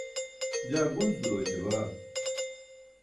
jaa gunc duro ećabaa